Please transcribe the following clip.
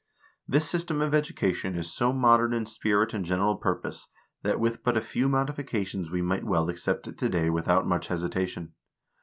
This system of education is so modern in spirit and general purpose that with but few modifi cations we might well accept it to day without much hesitation.